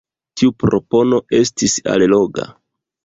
Tiu propono estis alloga.